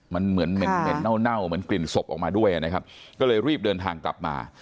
มันเหมือนเหม็นเน่าเหมือนกลิ่นศพออกมาด้วยนะครับก็เลยรีบเดินทางกลับมา